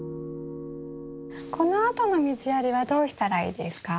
このあとの水やりはどうしたらいいですか？